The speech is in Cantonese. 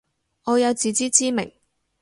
我有自知之明